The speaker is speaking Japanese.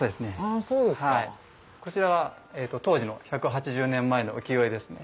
あそうですか。こちらは当時の１８０年前の浮世絵ですね。